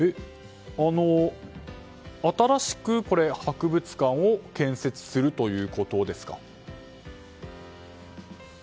新しく博物館を建設するということですか？